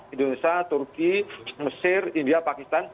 indonesia turki mesir india pakistan